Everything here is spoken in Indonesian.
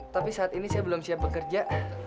tapi saat ini saya belum siap bekerja